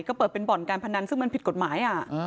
ก็เปิดเป็นบ่อนการพนันซึ่งมันผิดกฎหมาย